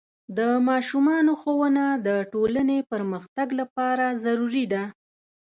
د ماشومانو ښوونه د ټولنې پرمختګ لپاره ضروري ده.